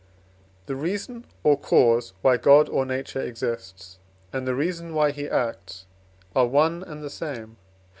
The reason or cause why God or Nature exists, and the reason why he acts, are one and the same.